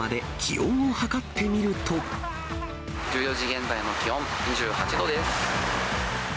１４時現在の気温、２８度です。